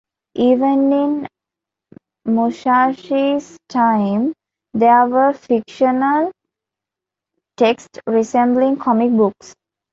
Even in Musashi's time there were fictional texts resembling comic books.